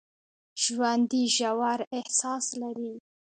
ژوندي ژور احساس لري